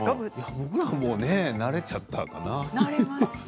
僕らは慣れちゃったかな。